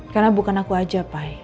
karena bukan aku aja pak